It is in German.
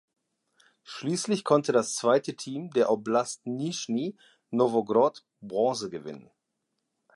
Schließlich konnte das zweite Team der Oblast Nischni Nowgorod Bronze gewinnen.